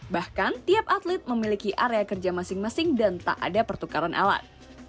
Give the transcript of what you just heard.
bahkan tiap atlet memiliki area kerja masing masing dan tak ada pertukaran alat